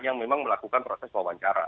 yang memang melakukan proses wawancara